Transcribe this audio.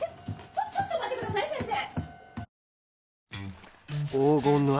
ちょっと待ってください先生。